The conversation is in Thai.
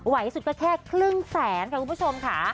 ไหวที่สุดก็แค่ครึ่งแสนคุณผู้ชมค่ะ